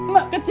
mak gak ridho